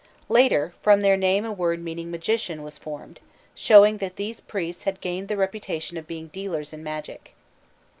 Later from their name a word meaning "magician" was formed, showing that these priests had gained the reputation of being dealers in magic.